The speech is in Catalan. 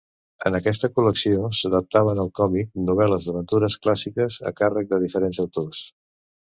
En aquesta col·lecció s'adaptaven al còmic, novel·les d'aventures clàssiques a càrrec de diferents autors.